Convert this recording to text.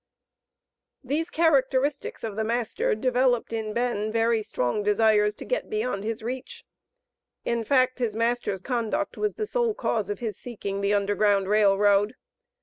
These characteristics of the master developed in Ben very strong desires to get beyond his reach. In fact, his master's conduct was the sole cause of his seeking the Underground Rail Road.